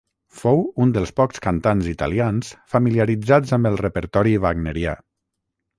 Fou un dels pocs cantants italians familiaritzats amb el repertori wagnerià.